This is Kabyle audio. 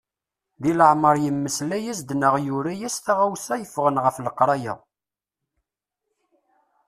Deg leɛmer yemmeslay-as-d neɣ yura-as-d taɣawsa yeffɣen ɣef leqraya.